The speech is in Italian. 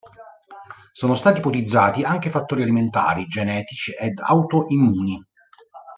Sono stati ipotizzati anche fattori alimentari, genetici ed autoimmuni.